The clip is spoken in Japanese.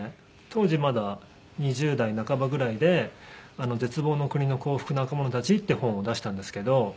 当時まだ２０代半ばぐらいで『絶望の国の幸福な若者たち』っていう本を出したんですけど。